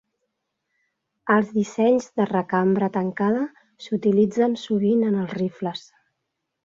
Els dissenys de recambra tancada s'utilitzen sovint en els rifles.